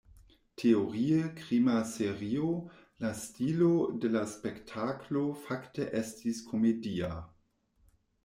Teorie krima serio, la stilo de la spektaklo fakte estis komedia.